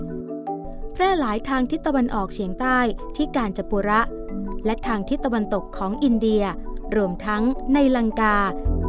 แพร่หลายทางทิศตะวันออกเฉียงใต้ที่กาญจปุระและทางทิศตะวันตกของอินเดียรวมทั้งในลังกา